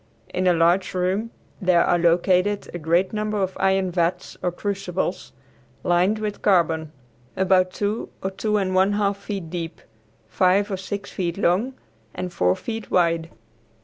In a large room there are located a great number of iron vats or crucibles, lined with carbon, about two or two and one half feet deep, five or six feet long and four feet wide.